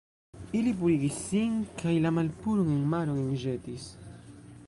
Ili purigis sin kaj la malpuron en maron enĵetis.